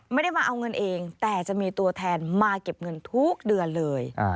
ไม่ได้มาเอาเงินเองแต่จะมีตัวแทนมาเก็บเงินทุกเดือนเลย